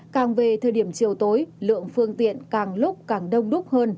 càng về thời điểm chiều tối lượng phương tiện càng lúc càng đông đúc hơn